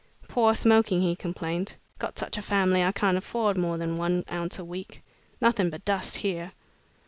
"Poor smoking," he complained. "Got such a family I can't afford more than one ounce a week. Nothing but dust here."